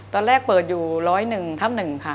ตอนแรกเปิดอยู่ร้อยหนึ่งทั้งหนึ่งค่ะ